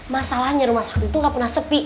masalahnya rumah sakti tuh gak pernah sepi